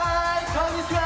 こんにちは！